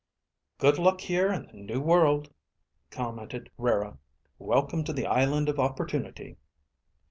"Good luck here in the New World," commented Rara. "Welcome to the Island of Opportunity."